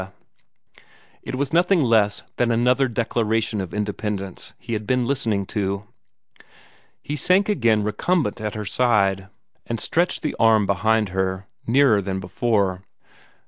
It was nothing less than another Declaration of Independence he had been listening to. He sank again recumbent at her side, and stretched the arm behind her, nearer than before.